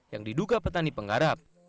yang diduga petani penggarap